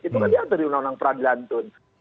itu kan dia yang teriunang unang peran di lantun